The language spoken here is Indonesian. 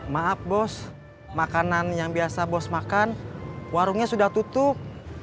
maaf bos makanan yang biasa bos makan warungnya sudah tutup